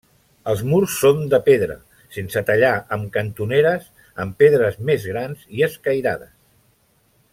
Els murs són de pedra sense tallar amb cantoneres amb pedres més grans i escairades.